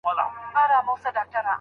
ذوالجلال يوسف عليه السلام ته هرڅه ورکړل.